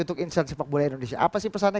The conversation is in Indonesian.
untuk insan sepak bola indonesia apa sih pesannya